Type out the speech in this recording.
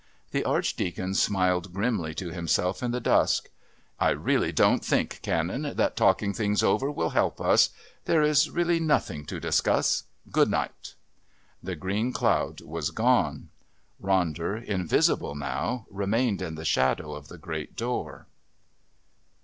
The Archdeacon smiled grimly to himself in the dusk. "I really don't think, Canon, that talking things over will help us. There is really nothing to discuss.... Good night." The green cloud was gone. Ronder, invisible now, remained in the shadow of the great door.